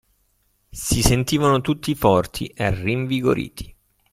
Si sentivano tutti forti e rinvigoriti.